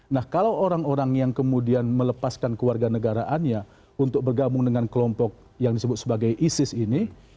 nah kalau orang orang yang kemudian melepaskan keluarga negaraannya untuk bergabung dengan kelompok yang disebut sebagai isis ini